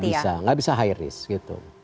tidak bisa tidak bisa high risk gitu